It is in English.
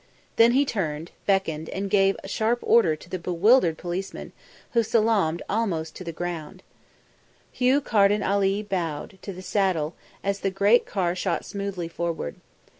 Then he turned, beckoned, and gave a sharp order to the bewildered policeman, who salaamed almost to the ground. Hugh Carden Ali bowed, to the saddle, as the great car shot smoothly forward.